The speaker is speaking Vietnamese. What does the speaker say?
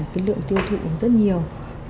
cái lượng tiêu thụ rất nhiều